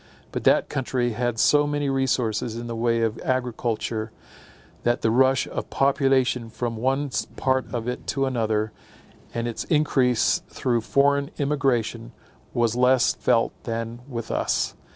But that country had so many resources in the way of agriculture, that the rush of population from one part of it to another, and its increase through foreign emigration, was less felt than with us.